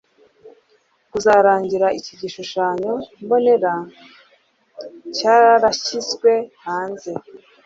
kuzarangira iki gishushanyo mbonera cyarashyizwe hanze.